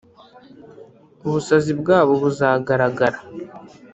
Ubusazi bwabo buzagaragara